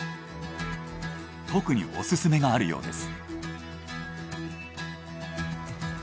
特にオススメがあるようです。